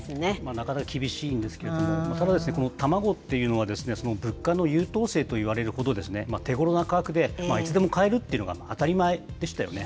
なかなか厳しいんですけれども、ただ、この卵っていうのはですね、物価の優等生といわれるほど、手ごろな価格で、いつでも買えるっていうのが当たり前でしたよね。